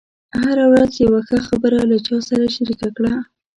هره ورځ یوه ښه خبره له چا سره شریکه کړه.